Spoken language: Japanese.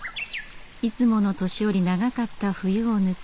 いつもの年より長かった冬を抜け